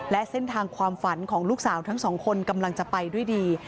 และเส้นทางความฝันของลูกสาวทั้งสองคนกำลังจะไปด้วยดี